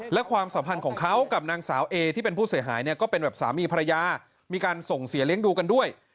และความสัมพันธ์ของเขากับนางสาวเอที่เป็นผู้เสียหายเนี่ยก็เป็นแบบสามีภรรยามีการส่งเสียเลี้ยงดูกันด้วย